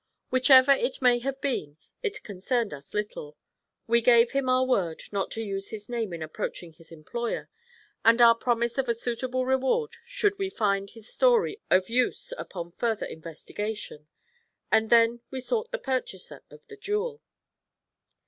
Whichever it may have been, it concerned us little. We gave him our word not to use his name in approaching his employer, and our promise of a suitable reward should we find his story of use upon further investigation, and then we sought the purchaser of the jewel.